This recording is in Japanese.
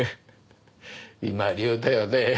今流だよね。